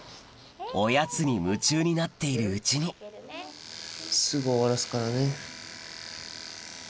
おやつに夢中になっているうちにすぐ終わらすからね。